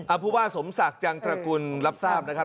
ผู้ว่าสมศักดิ์จังตระกุลรับทราบนะครับ